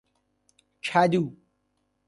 کدو